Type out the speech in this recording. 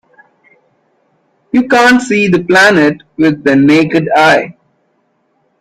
You can't see the planet with the naked eye.